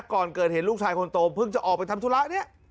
ก่อนเกิดเหตุลูกชายคนโตเพิ่งจะออกไปทำธุระเนี่ย